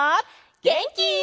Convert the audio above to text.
げんき？